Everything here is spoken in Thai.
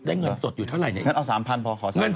ได้เงินสดอยู่เท่าไหร่